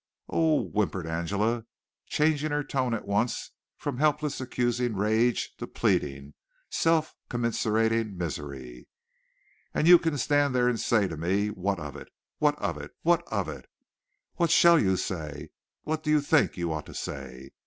"Oh," whimpered Angela, changing her tone at once from helpless accusing rage to pleading, self commiserating misery. "And you can stand there and say to me 'what of it'? What of it! What of it! What shall you say? What do you think you ought to say?